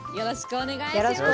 よろしくお願いします。